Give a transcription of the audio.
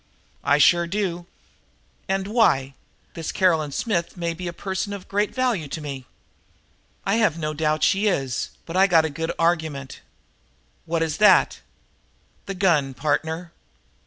"I sure do." "And why? This Caroline Smith may be a person of great value to me." "I have no doubt she is, but I got a good argument." "What is it?" "The gun, partner."